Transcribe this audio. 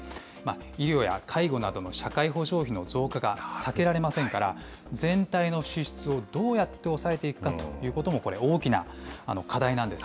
医療や介護などの社会保障費の増加が避けられませんから、全体の支出をどうやって抑えていくかということも、これ、大きな課題なんです。